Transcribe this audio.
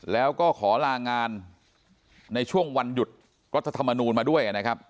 แล้วก็ขอลางานในช่วงวันหยุดรัฐธรรมนูลมาด้วยนะครับ